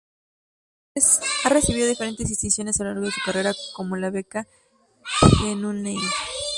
Ha recibido diferentes distinciones a lo largo de su carrera como la Beca Guggenheim.